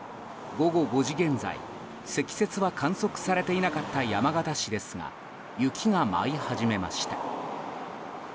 午後５時現在積雪は観測されていなかった山形市ですが雪が舞い始めました。